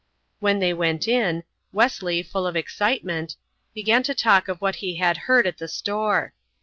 When they went in, Wesley, full of excitement, began to talk of what he had heard at the store.